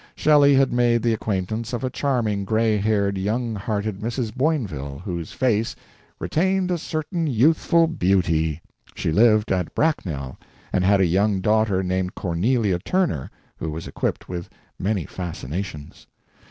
Shelley had made the acquaintance of a charming gray haired, young hearted Mrs. Boinville, whose face "retained a certain youthful beauty"; she lived at Bracknell, and had a young daughter named Cornelia Turner, who was equipped with many fascinations.